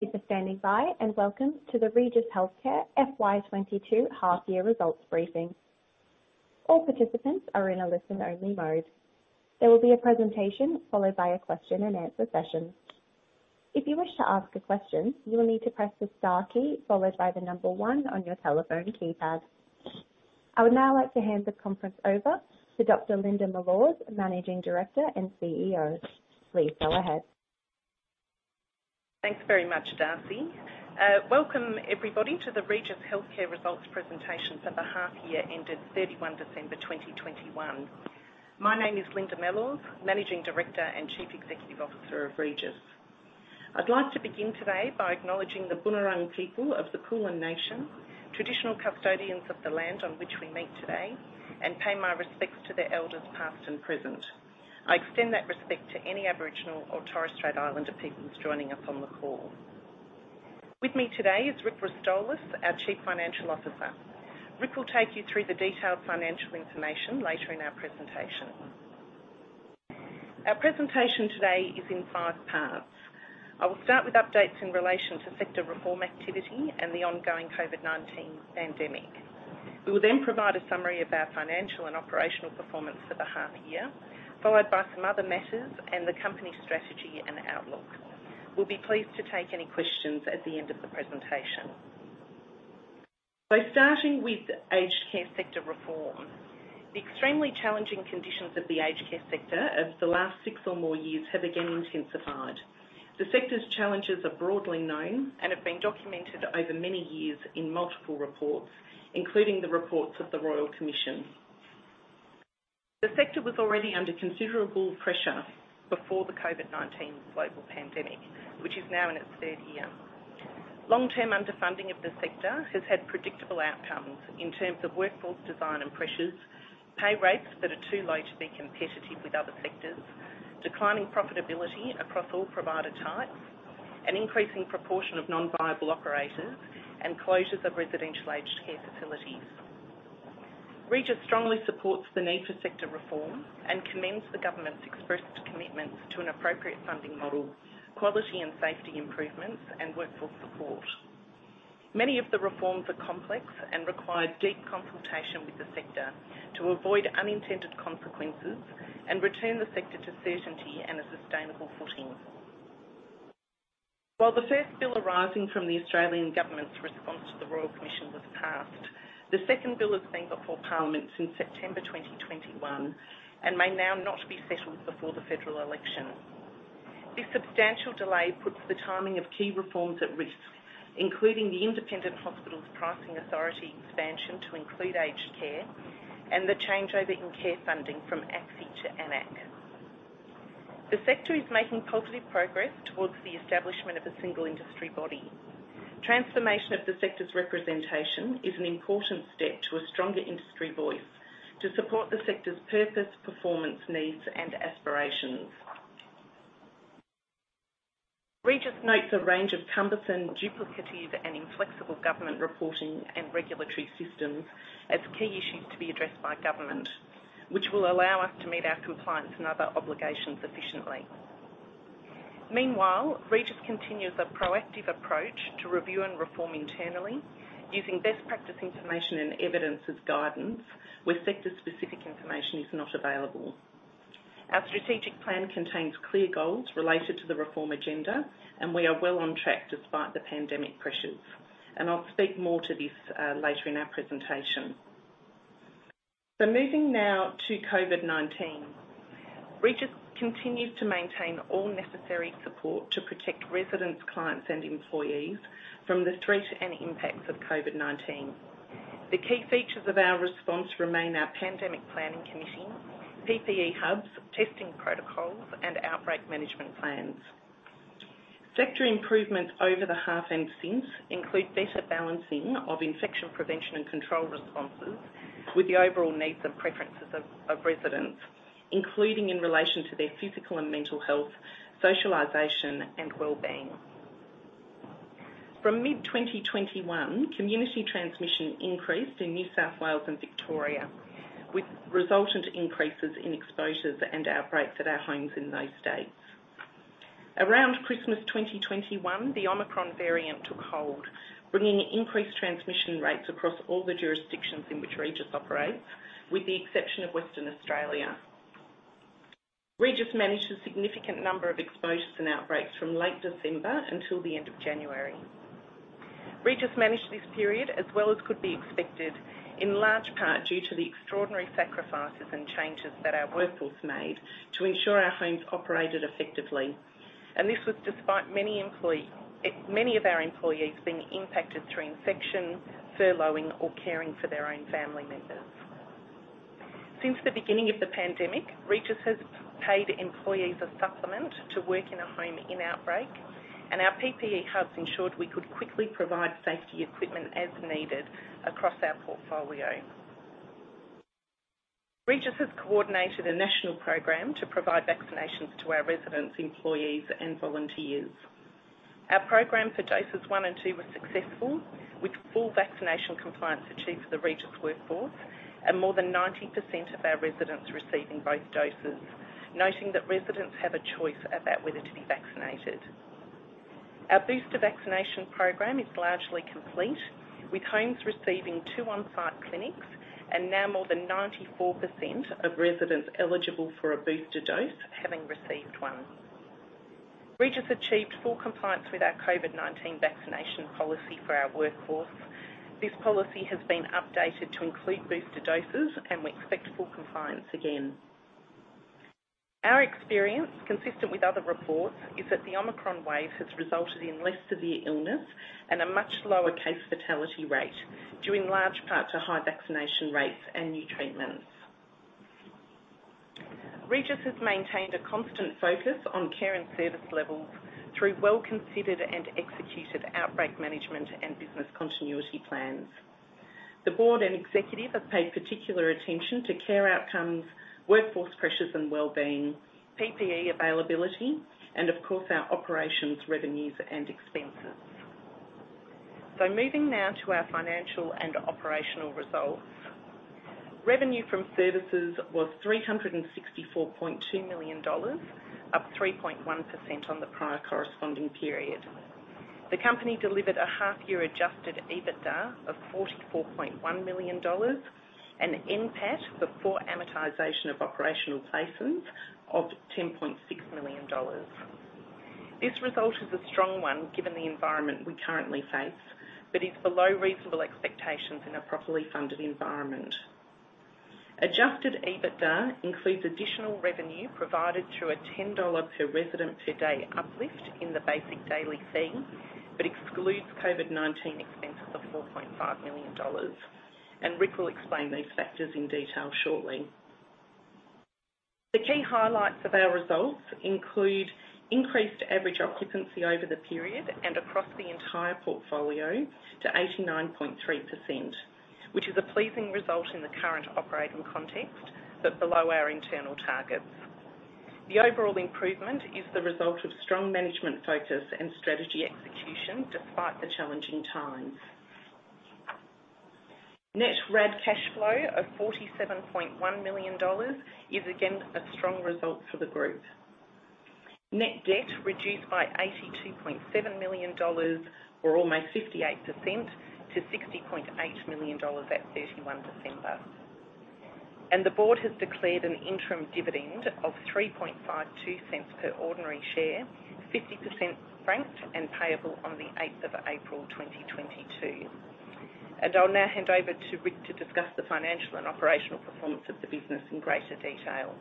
Thanks for standing by, and welcome to the Regis Healthcare FY 2022 1/2 year results briefing. All participants are in a listen only mode. There will be a presentation followed by a question and answer session. If you wish to ask a question, you will need to press the star key followed by 1 on your telephone keypad. I would now like to hand the conference over to Dr. Linda Mellors, Managing Director and CEO. Please go ahead. Thanks very much, Darcy. Welcome everybody to the Regis Healthcare Results presentation for the 1/2 year ended 31 December 2021. My name is Linda Mellors, Managing Director and Chief Executive Officer of Regis. I'd like to begin today by acknowledging the Boonwurrung people of the Kulin nation, traditional custodians of the land on which we meet today, and pay my respects to the elders past and present. I extend that respect to any Aboriginal or Torres Strait Islander peoples joining us on the call. With me today is Rick Rostolis, our Chief Financial Officer. Rick will take you through the detailed financial information later in our presentation. Our presentation today is in 5 parts. I will start with updates in relation to sector reform activity and the ongoing COVID-19 pandemic. We will then provide a summary of our financial and operational performance for the 1/2 year, followed by some other matters and the company strategy and outlook. We'll be pleased to take any questions at the end of the presentation. Starting with aged care sector reform. The extremely challenging conditions of the aged care sector over the last 6 or more years have again intensified. The sector's challenges are broadly known and have been documented over many years in multiple reports, including the reports of the Royal Commission. The sector was already under considerable pressure before the COVID-19 global pandemic, which is now in its 1/3 year. Long-term underfunding of the sector has had predictable outcomes in terms of workforce design and pressures, pay rates that are too low to be competitive with other sectors, declining profitability across all provider types, an increasing proportion of non-viable operators, and closures of residential aged care facilities. Regis strongly supports the need for sector reform and commends the government's expressed commitment to an appropriate funding model, quality and safety improvements, and workforce support. Many of the reforms are complex and require deep consultation with the sector to avoid unintended consequences and return the sector to certainty and a sustainable footing. While the first bill arising from the Australian government's response to the Royal Commission was passed, the second bill has been before Parliament since September 2021 and may now not be settled before the federal election. This substantial delay puts the timing of key reforms at risk, including the Independent Hospital Pricing Authority expansion to include aged care and the changeover in care funding from ACFI to AN-ACC. The sector is making positive progress towards the establishment of a single industry body. Transformation of the sector's representation is an important step to a stronger industry voice to support the sector's purpose, performance, needs, and aspirations. Regis notes a range of cumbersome, duplicative, and inflexible government reporting and regulatory systems as key issues to be addressed by government, which will allow us to meet our compliance and other obligations efficiently. Meanwhile, Regis continues a proactive approach to review and reform internally using best practice information and evidence as guidance where sector-specific information is not available. Our strategic plan contains clear goals related to the reform agenda, and we are well on track despite the pandemic pressures. I'll speak more to this later in our presentation. Moving now to COVID-19. Regis continues to maintain all necessary support to protect residents, clients, and employees from the threat and impacts of COVID-19. The key features of our response remain our Pandemic Planning Committee, PPE hubs, testing protocols, and outbreak management plans. Sector improvements over the 1/2 and since include better balancing of infection prevention and control responses with the overall needs and preferences of residents, including in relation to their physical and mental health, socialization, and wellbeing. From mid-2021, community transmission increased in New South Wales and Victoria, with resultant increases in exposures and outbreaks at our homes in those states. Around Christmas 2021, the Omicron variant took hold, bringing increased transmission rates across all the jurisdictions in which Regis operates, with the exception of Western Australia. Regis managed a significant number of exposures and outbreaks from late December until the end of January. Regis managed this period as well as could be expected, in large part due to the extraordinary sacrifices and changes that our workforce made to ensure our homes operated effectively, and this was despite many of our employees being impacted through infection, furloughing, or caring for their own family members. Since the beginning of the pandemic, Regis has paid employees a supplement to work in a home in outbreak, and our PPE hubs ensured we could quickly provide safety equipment as needed across our portfolio. Regis has coordinated a national program to provide vaccinations to our residents, employees, and volunteers. Our program for doses one and 2 were successful, with full vaccination compliance achieved for the Regis workforce and more than 90% of our residents receiving both doses. Noting that residents have a choice about whether to be vaccinated. Our booster vaccination program is largely complete, with homes receiving 2 On-Site clinics and now more than 94% of residents eligible for a booster dose having received one. Regis achieved full compliance with our COVID-19 vaccination policy for our workforce. This policy has been updated to include booster doses, and we expect full compliance again. Our experience, consistent with other reports, is that the Omicron wave has resulted in less severe illness and a much lower case fatality rate, due in large part to high vaccination rates and new treatments. Regis has maintained a constant focus on care and service levels through well-considered and executed outbreak management and business continuity plans. The board and executive have paid particular attention to care outcomes, workforce pressures and wellbeing, PPE availability, and of course, our operations revenues and expenses. Moving now to our financial and operational results. Revenue from services was 364.2 million dollars, up 3.1% on the prior corresponding period. The company delivered a 1/2 year Adjusted EBITDA of 44.1 million dollars, and NPAT before amortization of operational placements of 10.6 million dollars. This result is a strong one given the environment we currently face, but is below reasonable expectations in a properly funded environment. Adjusted EBITDA includes additional revenue provided through a AUD 10 per resident per day uplift in the basic daily fee, but excludes COVID-19 expenses of 4.5 million dollars. Rick will explain these factors in detail shortly. The key highlights of our results include increased average occupancy over the period and across the entire portfolio to 89.3%, which is a pleasing result in the current operating context, but below our internal targets. The overall improvement is the result of strong management focus and strategy execution despite the challenging times. Net RAD cash flow of 47.1 million dollars is again a strong result for the group. Net debt reduced by 82.7 million dollars, or almost 58% to 60.8 million dollars at 31 December. The board has declared an interim dividend of 0.0352 per ordinary share, 50% franked and payable on the 8th of April, 2022. I'll now hand over to Rick to discuss the financial and operational performance of the business in greater detail.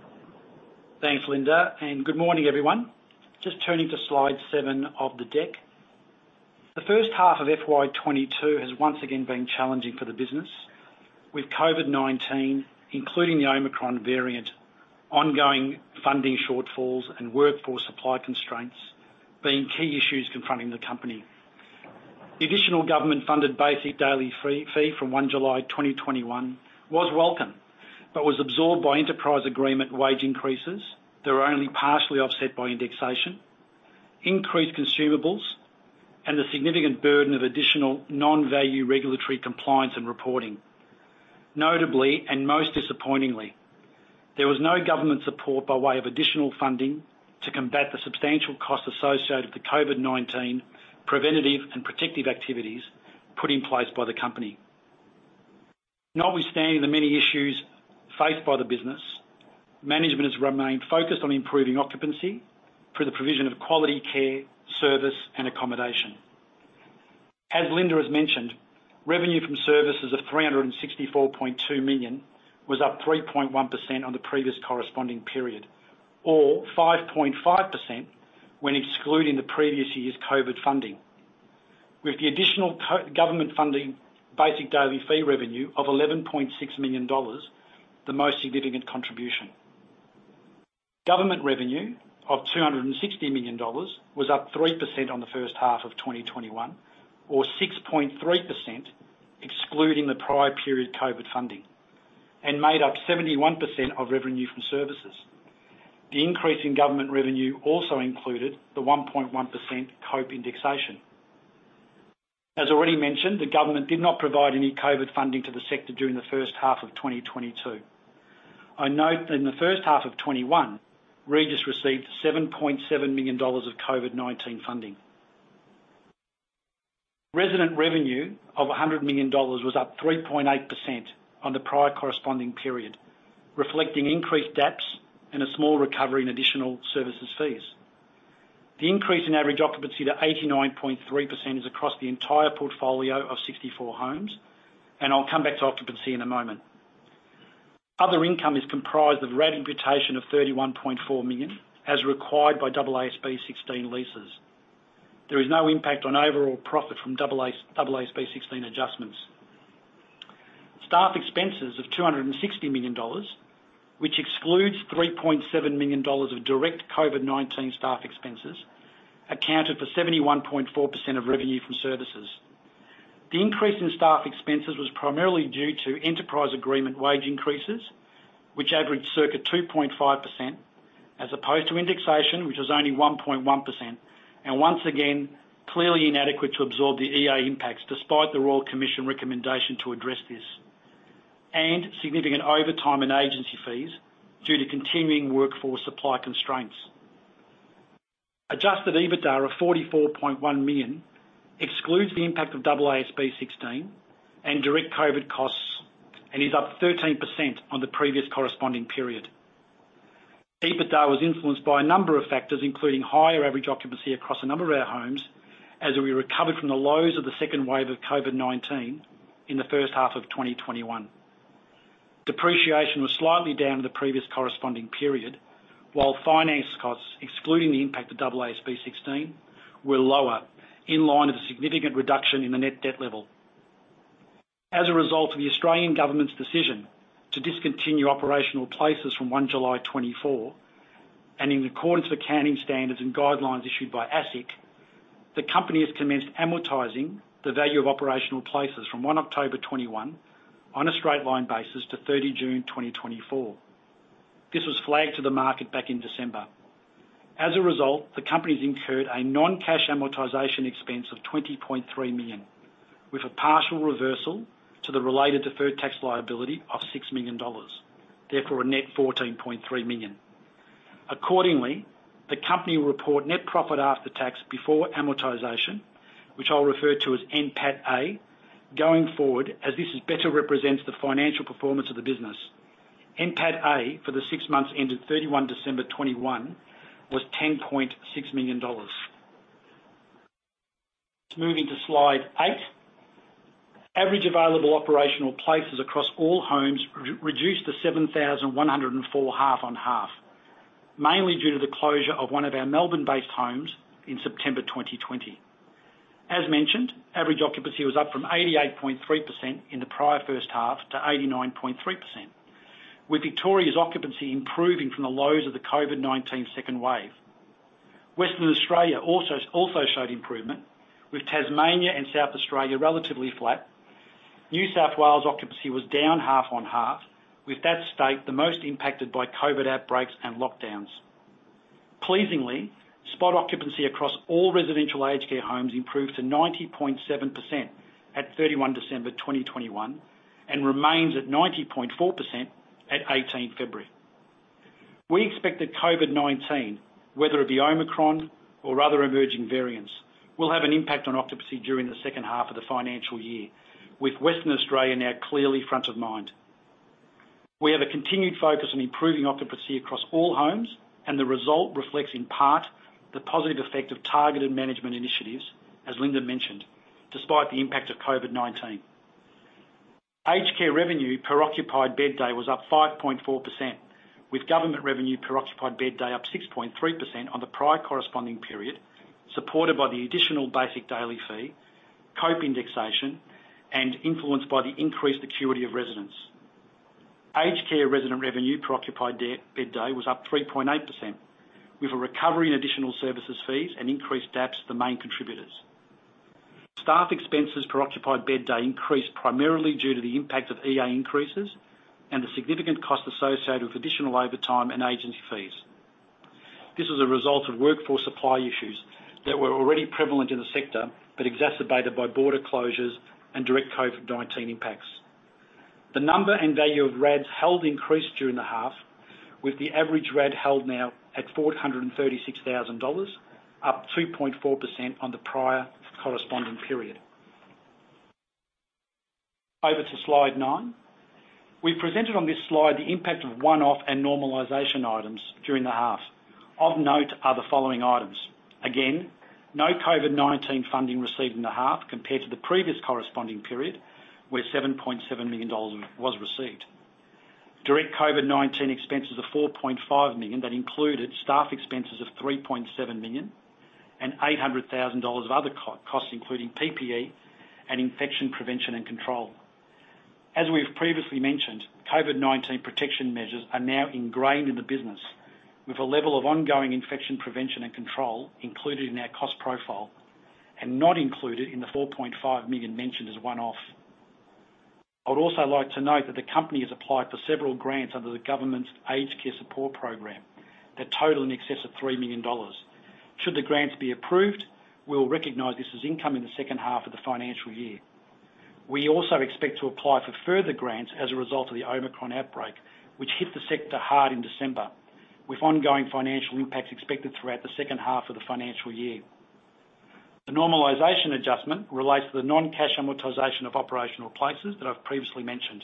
Thanks, Linda, and good morning, everyone. Just turning to Slide 7 of the deck. The first 1/2 of FY 2022 has once again been challenging for the business, with COVID-19, including the Omicron variant, ongoing funding shortfalls, and workforce supply constraints being key issues confronting the company. The additional government-funded basic daily fee from 1 July 2021 was welcome, but was absorbed by enterprise agreement wage increases that were only partially offset by indexation, increased consumables, and the significant burden of additional non-value regulatory compliance and reporting. Notably, and most disappointingly, there was no government support by way of additional funding to combat the substantial cost associated with the COVID-19 preventative and protective activities put in place by the company. Notwithstanding the many issues faced by the business, management has remained focused on improving occupancy through the provision of quality care, service, and accommodation. As Linda has mentioned, revenue from services of 364.2 million was up 3.1% on the previous corresponding period, or 5.5% when excluding the previous year's COVID funding. With the additional government funding basic daily fee revenue of 11.6 million dollars, the most significant contribution. Government revenue of 260 million dollars was up 3% on the first 1/2 of 2021 or 6.3% excluding the prior period COVID funding and made up 71% of revenue from services. The increase in government revenue also included the 1.1% CPI indexation. As already mentioned, the government did not provide any COVID funding to the sector during the first 1/2 of 2022. I note in the first 1/2 of 2021, Regis received 7.7 million dollars of COVID-19 funding. Resident revenue of 100 million dollars was up 3.8% on the prior corresponding period, reflecting increased DAPS and a small recovery in additional services fees. The increase in average occupancy to 89.3% is across the entire portfolio of 64 homes, and I'll come back to occupancy in a moment. Other income is comprised of RAD imputation of 31.4 million, as required by AASB 16 leases. There is no impact on overall profit from AASB 16 adjustments. Staff expenses of 260 million dollars, which excludes 3.7 million dollars of direct COVID-19 staff expenses, accounted for 71.4% of revenue from services. The increase in staff expenses was primarily due to enterprise agreement wage increases, which averaged circa 2.5%, as opposed to indexation, which was only 1.1%, and once again, clearly inadequate to absorb the EA impacts despite the Royal Commission recommendation to address this, significant overtime and agency fees due to continuing workforce supply constraints. Adjusted EBITDA of 44.1 million excludes the impact of AASB 16 and direct COVID costs, and is up 13% on the previous corresponding period. EBITDA was influenced by a number of factors, including higher average occupancy across a number of our homes as we recovered from the lows of the second wave of COVID-19 in the first 1/2 of 2021. Depreciation was slightly down in the previous corresponding period, while finance costs, excluding the impact of AASB 16, were lower in line with a significant reduction in the net debt level. As a result of the Australian Government's decision to discontinue operational places from 1 July 2024, and in accordance with accounting standards and guidelines issued by ASIC, the company has commenced amortizing the value of operational places from 1 October 2021 on a straight-line basis to 30 June 2024. This was flagged to the market back in December. As a result, the company has incurred a non-cash amortization expense of AUD 20.3 million, with a partial reversal to the related deferred tax liability of AUD 6 million, therefore a net AUD 14.3 million. Accordingly, the company will report net profit after tax before amortization, which I'll refer to as NPATA, going forward as this better represents the financial performance of the business. NPATA for the 6 months ended 31 December 2021 was AUD 10.6 million. Let's move into Slide 8. Average available operational places across all homes were reduced to 7,104 1/2-on-1/2, mainly due to the closure of one of our Melbourne-based homes in September 2020. As mentioned, average occupancy was up from 88.3% in the prior first 1/2 to 89.3%, with Victoria's occupancy improving from the lows of the COVID-19 second wave. Western Australia also showed improvement, with Tasmania and South Australia relatively flat. New South Wales occupancy was down 1/2-on-1/2, with that state the most impacted by COVID outbreaks and lockdowns. Pleasingly, spot occupancy across all Residential Aged Care homes improved to 90.7% at 31 December 2021, and remains at 90.4% at 18 February. We expect that COVID-19, whether it be Omicron or other emerging variants, will have an impact on occupancy during the second 1/2 of the financial year, with Western Australia now clearly front of mind. We have a continued focus on improving occupancy across all homes and the result reflects in part the positive effect of targeted management initiatives, as Linda mentioned, despite the impact of COVID-19. Aged care revenue per occupied bed day was up 5.4%, with government revenue per occupied bed day up 6.3% on the prior corresponding period, supported by the additional basic daily fee, CPI indexation, and influenced by the increased acuity of residents. Aged care resident revenue per occupied bed day was up 3.8% with a recovery in additional services fees and increased DAPS, the main contributors. Staff expenses per occupied bed day increased primarily due to the impact of EA increases and the significant cost associated with additional overtime and agency fees. This was a result of workforce supply issues that were already prevalent in the sector, but exacerbated by border closures and direct COVID-19 impacts. The number and value of RADs held increased during the 1/2, with the average RAD held now at 436,000 dollars, up 2.4% on the prior corresponding period. Over to Slide 9. We presented on this Slide the impact of one-off and normalization items during the 1/2. Of note are the following items. Again, no COVID-19 funding received in the 1/2 compared to the previous corresponding period where 7.7 million dollars was received. Direct COVID-19 expenses of 4.5 million that included staff expenses of 3.7 million and 800,000 dollars of other costs, including PPE and infection prevention and control. As we've previously mentioned, COVID-19 protection measures are now ingrained in the business with a level of ongoing infection prevention and control included in our cost profile and not included in the 4.5 million mentioned as one-off. I would also like to note that the company has applied for several grants under the government's aged care support program that total in excess of 3 million dollars. Should the grants be approved, we will recognize this as income in the second 1/2 of the financial year. We also expect to apply for further grants as a result of the Omicron outbreak, which hit the sector hard in December, with ongoing financial impacts expected throughout the second 1/2 of the financial year. The normalization adjustment relates to the non-cash amortization of operational places that I've previously mentioned.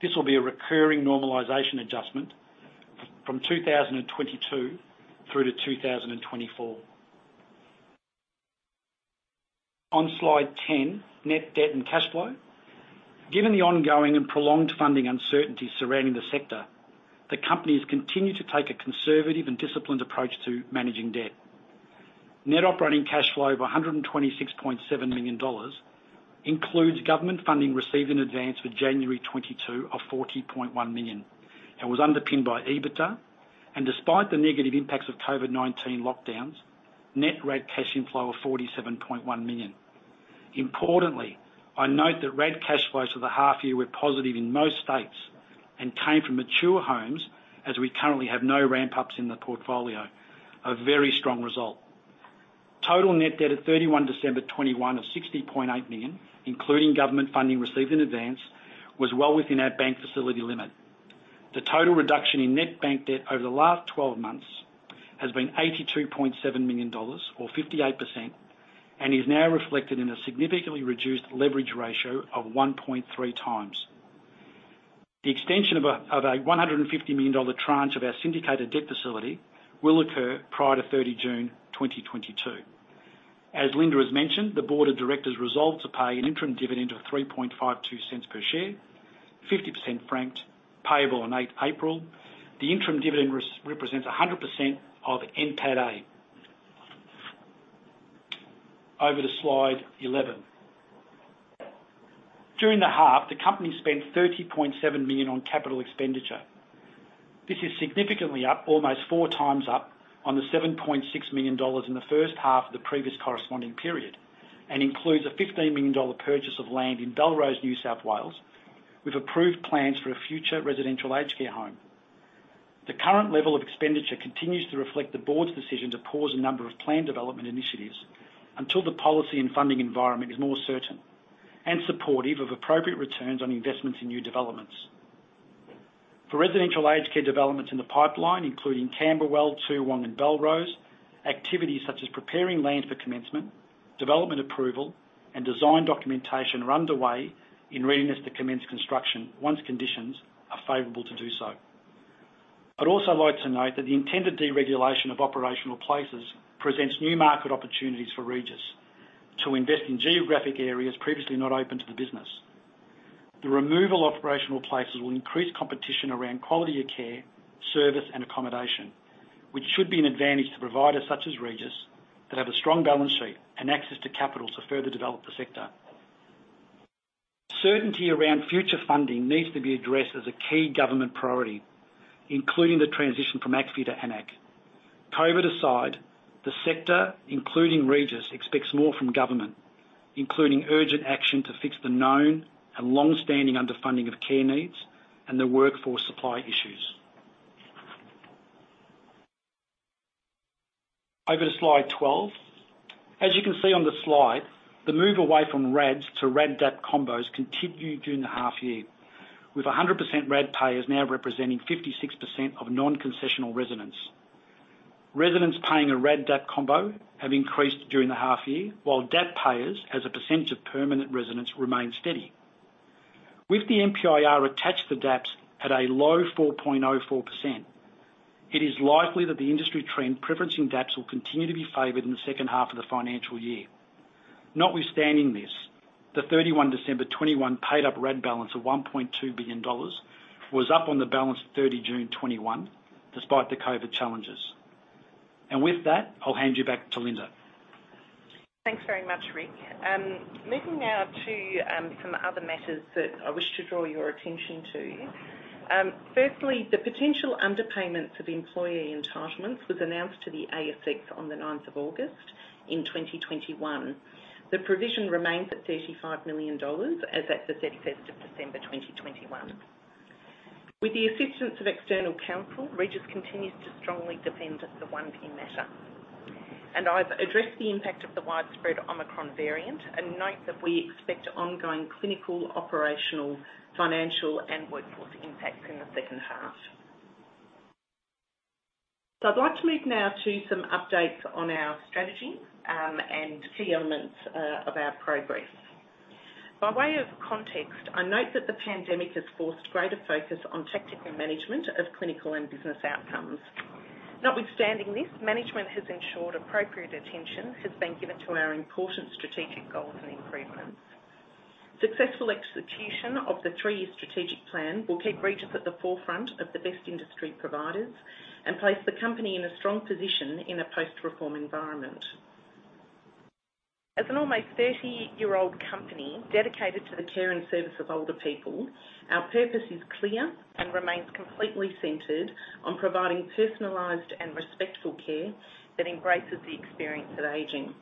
This will be a recurring normalization adjustment from 2022 through to 2024. On Slide 10, net debt and cash flow. Given the ongoing and prolonged funding uncertainty surrounding the sector, the company continues to take a conservative and disciplined approach to managing debt. Net operating cash flow of 126.7 million dollars includes government funding received in advance for January 2022 of 40.1 million. It was underpinned by EBITDA and despite the negative impacts of COVID-19 lockdowns, net RAD cash inflow of 47.1 million. Importantly, I note that RAD cash flows for the 1/2 year were positive in most states and came from mature homes as we currently have no Ramp-Ups in the portfolio. A very strong result. Total net debt at 31 December 2021 of 60.8 million, including government funding received in advance, was well within our bank facility limit. The total reduction in net bank debt over the last twelve months has been 82.7 million dollars or 58%, and is now reflected in a significantly reduced leverage ratio of 1.3 times. The extension of a 150 million dollar tranche of our syndicated debt facility will occur prior to 30 June 2022. As Linda has mentioned, the board of directors resolved to pay an interim dividend of 0.0352 per share, 50% franked, payable on 8th April. The interim dividend represents 100% of NPATA. Over to Slide 11. During the 1/2, the company spent 30.7 million on capital expenditure. This is significantly up, almost 4 times up, on the 7.6 million dollars in the first 1/2 of the previous corresponding period, and includes a 15 million dollar purchase of land in Belrose, New South Wales, with approved plans for a future Residential Aged Care home. The current level of expenditure continues to reflect the board's decision to pause a number of planned development initiatives until the policy and funding environment is more certain and supportive of appropriate returns on investments in new developments. For Residential Aged Care developments in the pipeline, including Camberwell, Toowong, and Belrose, activities such as preparing land for commencement, development approval, and design documentation are underway in readiness to commence construction once conditions are favorable to do so. I'd also like to note that the intended deregulation of operational places presents new market opportunities for Regis to invest in geographic areas previously not open to the business. The removal of operational places will increase competition around quality of care, service, and accommodation, which should be an advantage to providers such as Regis, that have a strong balance sheet and access to capital to further develop the sector. Certainty around future funding needs to be addressed as a key government priority, including the transition from ACFI to AN-ACC. COVID aside, the sector, including Regis, expects more from government, including urgent action to fix the known and long-standing underfunding of care needs and the workforce supply issues. Over to Slide 12. As you can see on the Slide, the move away from RADs to RAD/DAP combos continued during the 1/2 year, with 100% RAD payers now representing 56% of non-concessional residents. Residents paying a RAD/DAP combo have increased during the 1/2 year, while DAP payers, as a percentage of permanent residents, remain steady. With the MPIR attached to DAPs at a low 4.04%, it is likely that the industry trend preferencing DAPs will continue to be favored in the second 1/2 of the financial year. Notwithstanding this, the December 31, 2021 paid-up RAD balance of 1.2 billion dollars was up on the balance at June 30, 2021, despite the COVID challenges. With that, I'll hand you back to Linda. Thanks very much, Rick. Moving now to some other matters that I wish to draw your attention to. Firstly, the potential underpayments of employee entitlements was announced to the ASX on the ninth of August 2021. The provision remains at 35 million dollars as at the 31st of December 2021. With the assistance of external counsel, Regis continues to strongly defend the Oneview Healthcare PLC matter. I've addressed the impact of the widespread Omicron variant and note that we expect ongoing clinical, operational, financial, and workforce impacts in the second 1/2. I'd like to move now to some updates on our strategy and key elements of our progress. By way of context, I note that the pandemic has forced greater focus on tactical management of clinical and business outcomes. Notwithstanding this, management has ensured appropriate attention has been given to our important strategic goals and improvements. Successful execution of the 3-year strategic plan will keep Regis at the forefront of the best industry providers and place the company in a strong position in a post-reform environment. As an almost 30-year-old company dedicated to the care and service of older people, our purpose is clear and remains completely centered on providing personalized and respectful care that embraces the experience of aging.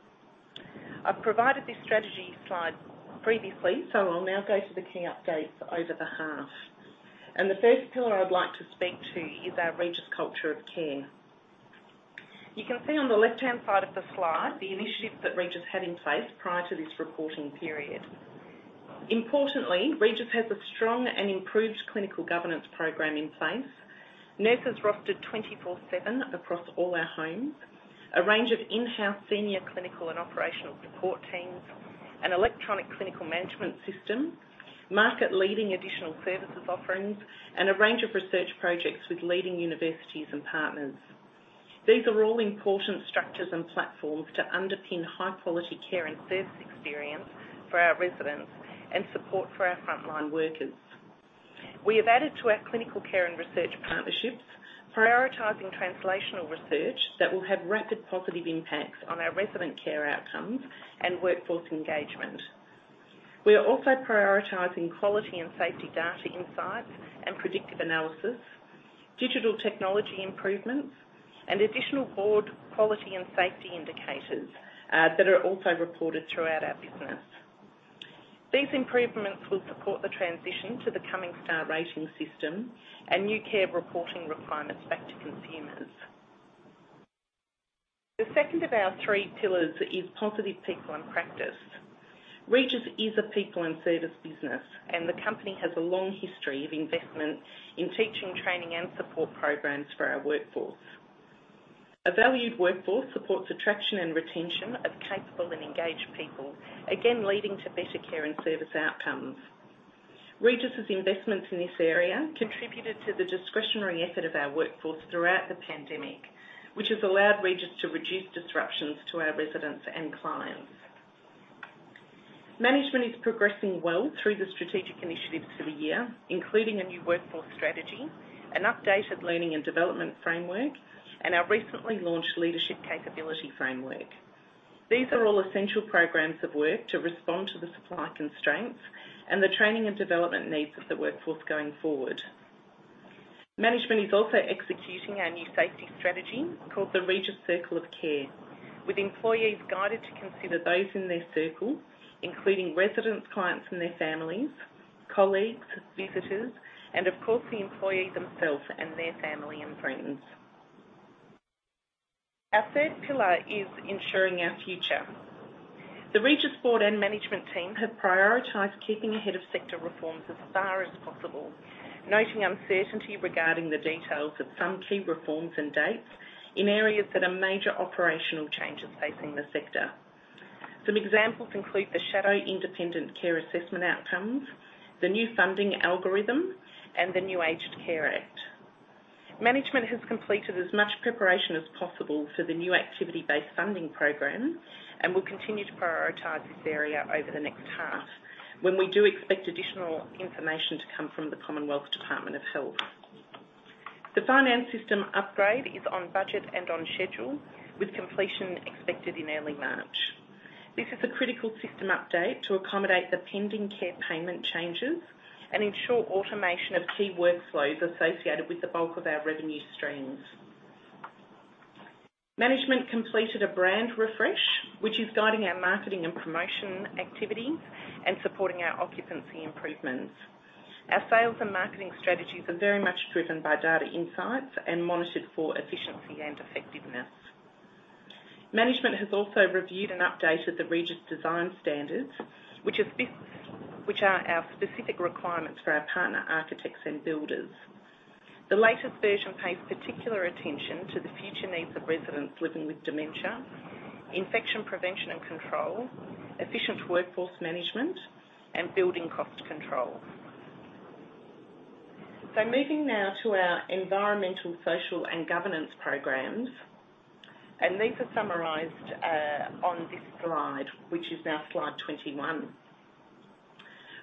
I've provided this strategy Slide previously, so I'll now go to the key updates over the 1/2. The first pillar I'd like to speak to is our Regis culture of care. You can see on the left-hand side of the Slide the initiatives that Regis had in place prior to this reporting period. Importantly, Regis has a strong and improved clinical governance program in place, nurses rostered 24/7 across all our homes, a range of In-House senior clinical and operational support teams, an electronic clinical management system, Market-Leading additional services offerings, and a range of research projects with leading universities and partners. These are all important structures and platforms to underpin High-Quality care and service experience for our residents and support for our frontline workers. We have added to our clinical care and research partnerships, prioritizing translational research that will have rapid positive impacts on our resident care outcomes and workforce engagement. We are also prioritizing quality and safety data insights and predictive analysis, digital technology improvements, and additional board quality and safety indicators that are also reported throughout our business. These improvements will support the transition to the coming star rating system and new care reporting requirements back to consumers. The second of our 3 pillars is positive people and practice. Regis is a people and service business, and the company has a long history of investment in teaching, training, and support programs for our workforce. A valued workforce supports attraction and retention of capable and engaged people, again, leading to better care and service outcomes. Regis's investments in this area contributed to the discretionary effort of our workforce throughout the pandemic, which has allowed Regis to reduce disruptions to our residents and clients. Management is progressing well through the strategic initiatives for the year, including a new workforce strategy, an updated learning and development framework, and our recently launched leadership capability framework. These are all essential programs of work to respond to the supply constraints and the training and development needs of the workforce going forward. Management is also executing our new safety strategy called the Regis Circle of Care, with employees guided to consider those in their circle, including residents, clients and their families, colleagues, visitors, and of course, the employee themselves and their family and friends. Our 1/3 pillar is ensuring our future. The Regis board and management team have prioritized keeping ahead of sector reforms as far as possible, noting uncertainty regarding the details of some key reforms and dates in areas that are major operational changes facing the sector. Some examples include the AN-ACC shadow assessment outcomes, the new funding algorithm, and the new Aged Care Act. Management has completed as much preparation as possible for the new Activity-Based funding program and will continue to prioritize this area over the next 1/2 when we do expect additional information to come from the Commonwealth Department of Health. The finance system upgrade is on budget and on schedule, with completion expected in early March. This is a critical system update to accommodate the pending care payment changes and ensure automation of key workflows associated with the bulk of our revenue streams. Management completed a brand refresh, which is guiding our marketing and promotion activities and supporting our occupancy improvements. Our sales and marketing strategies are very much driven by data insights and monitored for efficiency and effectiveness. Management has also reviewed and updated the Regis design standards, which are our specific requirements for our partner architects and builders. The latest version pays particular attention to the future needs of residents living with dementia, infection prevention and control, efficient workforce management, and building cost control. Moving now to our environmental, social, and governance programs, and these are summarized on this Slide, which is now Slide 21.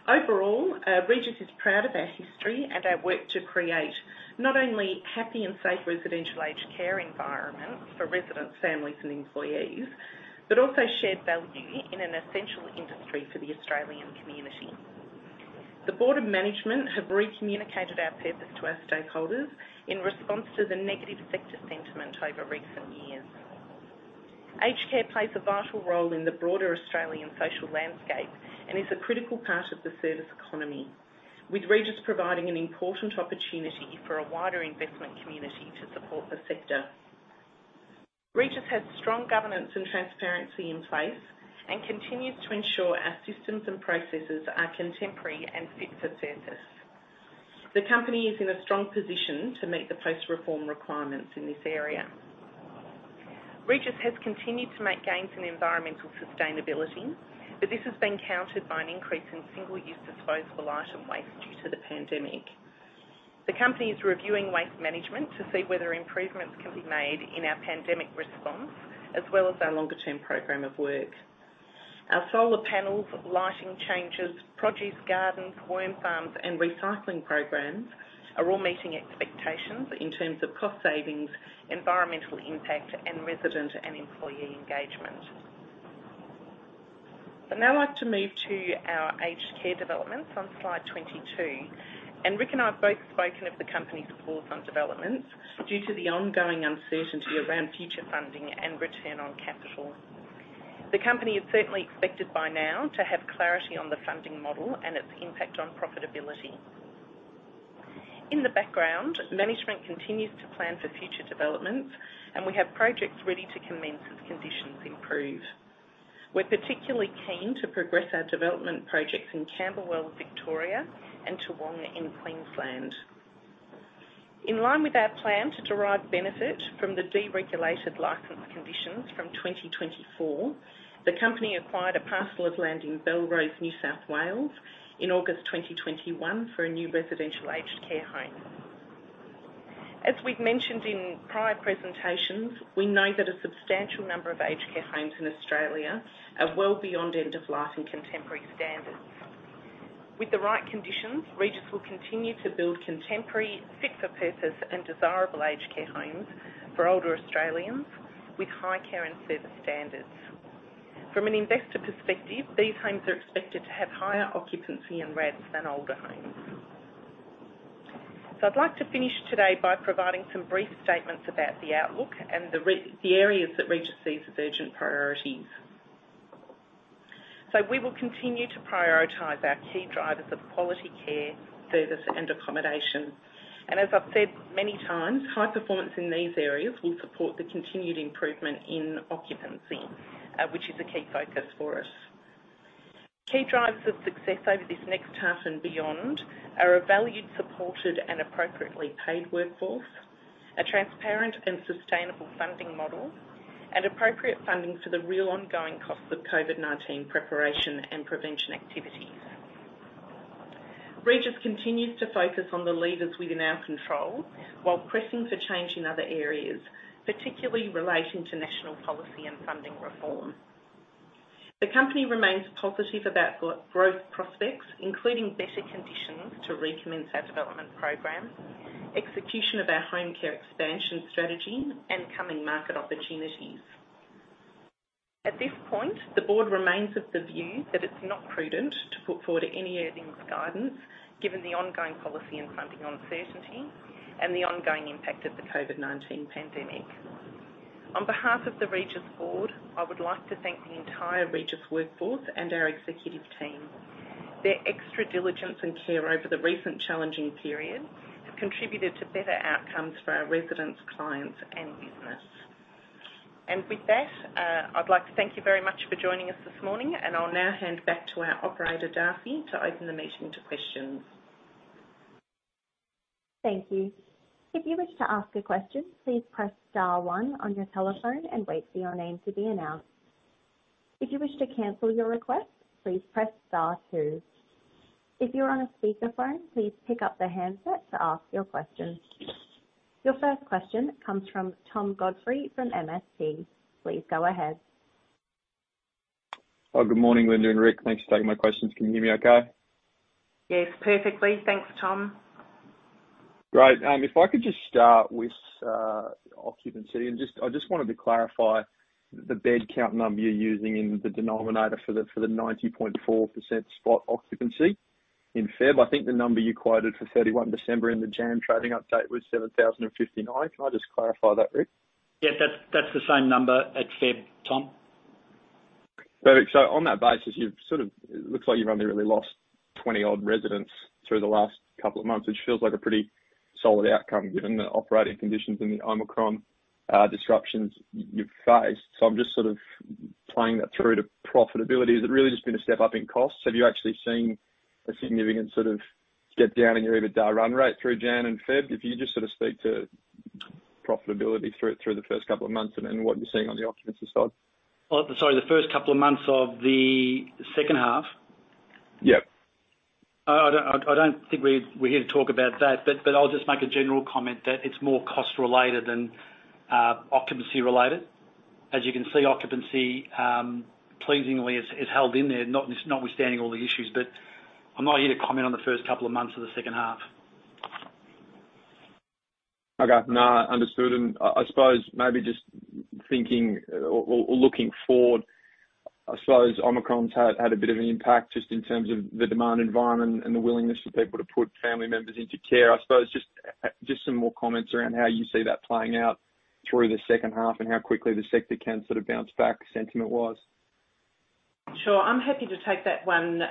Overall, Regis is proud of our history and our work to create not only happy and safe Residential Aged Care environments for residents, families, and employees but also shared value in an essential industry for the Australian community. The board of management have recommunicated our purpose to our stakeholders in response to the negative sector sentiment over recent years. Aged care plays a vital role in the broader Australian social landscape and is a critical part of the service economy, with Regis providing an important opportunity for a wider investment community to support the sector. Regis has strong governance and transparency in place and continues to ensure our systems and processes are contemporary and fit for service. The company is in a strong position to meet the post-reform requirements in this area. Regis has continued to make gains in environmental sustainability, but this has been countered by an increase in single-use disposable item waste due to the pandemic. The company is reviewing waste management to see whether improvements can be made in our pandemic response, as well as our longer-term program of work. Our solar panels, lighting changes, produce gardens, worm farms, and recycling programs are all meeting expectations in terms of cost savings, environmental impact, and resident and employee engagement. I'd now like to move to our aged care developments on Slide 22, and Rick and I have both spoken of the company's core fund developments due to the ongoing uncertainty around future funding and return on capital. The company is certainly expected by now to have clarity on the funding model and its impact on profitability. In the background, management continues to plan for future developments, and we have projects ready to commence as conditions improve. We're particularly keen to progress our development projects in Camberwell, Victoria, and Toowong in Queensland. In line with our plan to derive benefit from the deregulated license conditions from 2024, the company acquired a parcel of land in Belrose, New South Wales in August 2021 for a new residential aged care home. As we've mentioned in prior presentations, we know that a substantial number of aged care homes in Australia are well beyond end of life and contemporary standards. With the right conditions, Regis will continue to build contemporary, fit for purpose, and desirable aged care homes for older Australians with high care and service standards. From an investor perspective, these homes are expected to have higher occupancy and rates than older homes. I'd like to finish today by providing some brief statements about the outlook and the areas that Regis sees as urgent priorities. We will continue to prioritize our key drivers of quality care, service, and accommodation. As I've said many times, high performance in these areas will support the continued improvement in occupancy, which is a key focus for us. Key drivers of success over this next 1/2 and beyond are a valued, supported, and appropriately paid workforce, a transparent and sustainable funding model, and appropriate funding for the real ongoing cost of COVID-19 preparation and prevention activities. Regis continues to focus on the levers within our control while pressing for change in other areas, particularly relating to national policy and funding reform. The company remains positive about growth prospects, including better conditions to recommence our development program, execution of our home care expansion strategy, and coming market opportunities. At this point, the board remains of the view that it's not prudent to put forward any earnings guidance given the ongoing policy and funding uncertainty and the ongoing impact of the COVID-19 pandemic. On behalf of the Regis board, I would like to thank the entire Regis workforce and our executive team. Their extra diligence and care over the recent challenging period have contributed to better outcomes for our residents, clients, and business. With that, I'd like to thank you very much for joining us this morning, and I'll now hand back to our operator, Darcy, to open the meeting to questions. Thank you. If you wish to ask a question, please press star one on your telephone and wait for your name to be announced. If you wish to cancel your request, please press star 2. If you're on a speakerphone, please pick up the handset to ask your question. Your first question comes from Tom Godfrey from MST. Please go ahead. Oh, good morning, Linda and Rick. Thanks for taking my questions. Can you hear me okay? Yes, perfectly. Thanks, Tom. Great. If I could just start with occupancy. Just, I just wanted to clarify the bed count number you're using in the denominator for the 90.4% spot occupancy in February. I think the number you quoted for 31 December in the January trading update was 7,059. Can I just clarify that, Rick? Yeah. That's the same number at Feb, Tom. Perfect. On that basis, you've sort of, it looks like you've only really lost 20-odd residents through the last couple of months, which feels like a pretty solid outcome given the operating conditions and the Omicron disruptions you've faced. I'm just sort of playing that through to profitability. Has it really just been a step-up in costs? Have you actually seen a significant sort of step-down in your EBITDA run rate through Jan and Feb? If you just sort of speak to profitability through the first couple of months and then what you're seeing on the occupancy side. Sorry, the first couple of months of the second 1/2? Yeah. I don't think we're here to talk about that, but I'll just make a general comment that it's more cost related than occupancy related. As you can see, occupancy pleasingly has held in there, notwithstanding all the issues. I'm not here to comment on the first couple of months of the second 1/2. Okay. No, understood. I suppose maybe just thinking or looking forward, I suppose Omicron's had a bit of an impact just in terms of the demand environment and the willingness for people to put family members into care. I suppose just some more comments around how you see that playing out through the second 1/2 and how quickly the sector can sort of bounce back sentiment-wise. Sure. I'm happy to take that one,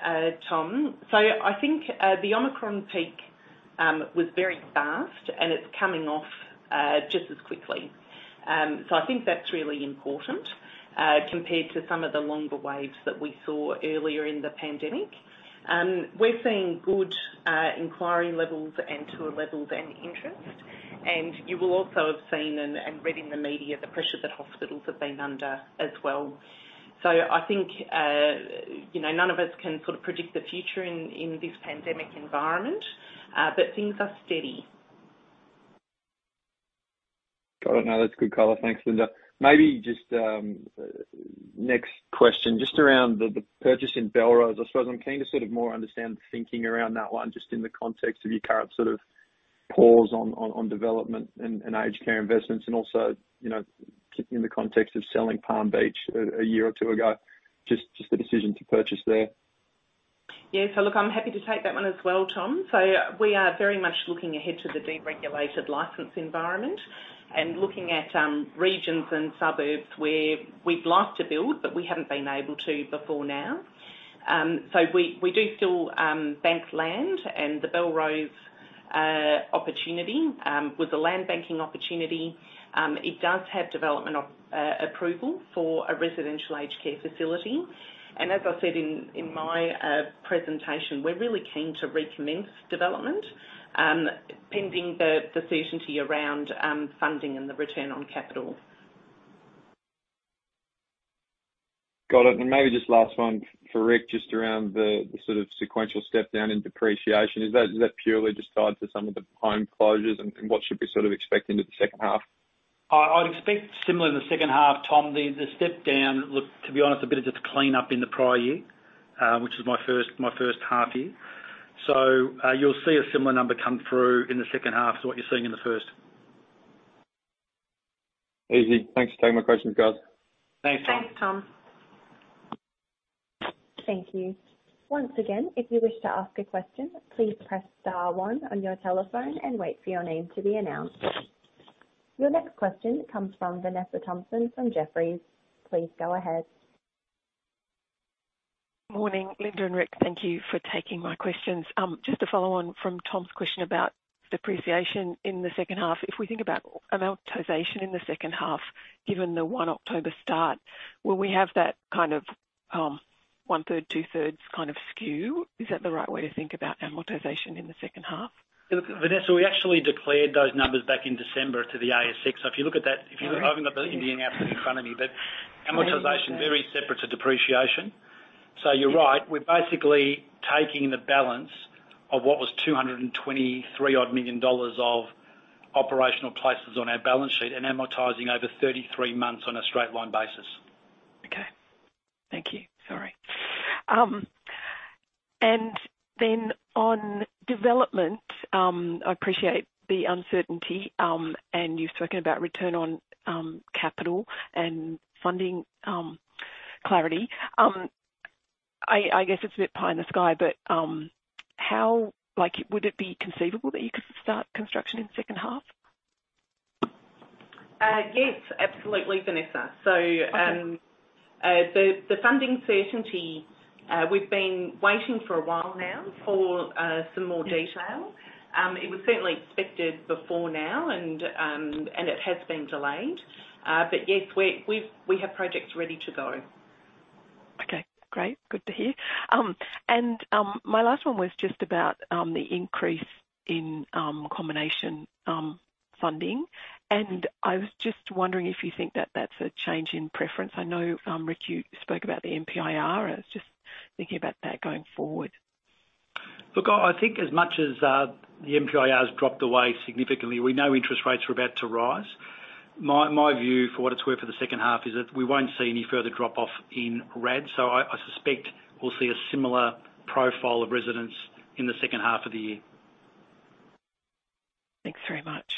Tom. I think the Omicron peak was very fast, and it's coming off just as quickly. I think that's really important compared to some of the longer waves that we saw earlier in the pandemic. We're seeing good inquiry levels and tour levels and interest. You will also have seen and read in the media the pressure that hospitals have been under as well. I think you know, none of us can sort of predict the future in this pandemic environment, but things are steady. Got it. No, that's good color. Thanks, Linda. Maybe just next question, just around the purchase in Belrose. I suppose I'm keen to sort of more understand the thinking around that one, just in the context of your current sort of pause on development and aged care investments and also, you know, keeping in the context of selling Palm Beach a year or 2 ago, just the decision to purchase there. Yeah. Look, I'm happy to take that one as well, Tom. We are very much looking ahead to the deregulated license environment and looking at regions and suburbs where we'd like to build but we haven't been able to before now. We do still bank land. The Belrose opportunity was a land banking opportunity. It does have development approval for a Residential Aged Care facility. As I said in my presentation, we're really keen to recommence development pending the certainty around funding and the return on capital. Got it. Maybe just last one for Rick, just around the sort of sequential step-down in depreciation. Is that purely just tied to some of the home closures and what should we sort of expect into the second 1/2? I'd expect similar in the second 1/2, Tom. The step down looked, to be honest, a bit of just clean up in the prior year, which was my first 1/2 year. You'll see a similar number come through in the second 1/2 to what you're seeing in the first. Easy. Thanks for taking my questions, guys. Thanks, Tom. Thanks, Tom. Thank you. Once again, if you wish to ask a question, please press star one on your telephone and wait for your name to be announced. Your next question comes from Vanessa Thomson from Jefferies. Please go ahead. Morning, Linda and Rick. Thank you for taking my questions. Just to follow on from Tom's question about depreciation in the second 1/2. If we think about amortization in the second 1/2, given the 1 October start, will we have that kind of, one-1/3, 2-1/3s kind of skew? Is that the right way to think about amortization in the second 1/2? Look, Vanessa, we actually declared those numbers back in December to the ASX. If you look at that, I haven't got the appendix in front of me, but amortization, very separate to depreciation. You're right, we're basically taking the balance of what was 223 odd million of operational leases on our balance sheet and amortizing over 33 months on a straight line basis. Okay. Thank you. Sorry. On development, I appreciate the uncertainty, and you've spoken about return on capital and funding clarity. I guess it's a bit pie in the sky, but how, like, would it be conceivable that you could start construction in the second 1/2? Yes, absolutely, Vanessa. Okay. The funding certainty we've been waiting for a while now for some more detail. It was certainly expected before now and it has been delayed. Yes, we have projects ready to go. Okay, great. Good to hear. My last one was just about the increase in combination funding. I was just wondering if you think that that's a change in preference. I know, Rick, you spoke about the MPIR. I was just thinking about that going forward. Look, I think as much as, the MPIR has dropped away significantly, we know interest rates are about to rise. My view for what it's worth for the second 1/2 is that we won't see any further drop-off in RAD. I suspect we'll see a similar profile of residents in the second 1/2 of the year. Thanks very much.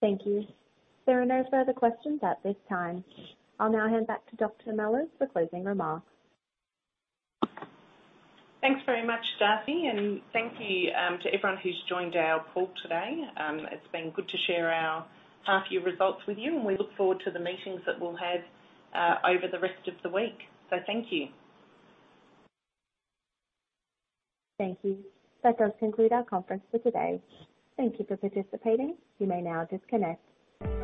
Thank you. There are no further questions at this time. I'll now hand back to Dr. Mellors for closing remarks. Thanks very much, Darcy, and thank you to everyone who's joined our call today. It's been good to share our 1/2 year results with you, and we look forward to the meetings that we'll have over the rest of the week. Thank you. Thank you. That does conclude our conference for today. Thank you for participating. You may now disconnect.